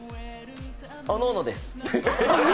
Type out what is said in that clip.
おのおのです。